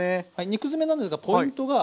肉詰めなんですがポイントが。